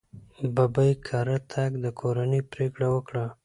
ببۍ کره تګ د کورنۍ پرېکړه وه.